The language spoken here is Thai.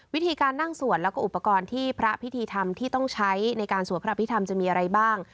วิธีการนั่งสวดแล้วก็อุปกรณ์ที่พระพิธีธรรมที่ต้องใช้ในการสวดพระพิธรรมจะมีอะไรบ้าง